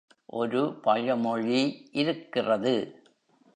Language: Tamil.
ஒரு பழமொழி இருக்கிறது.